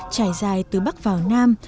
trải dài từ bắc vào nam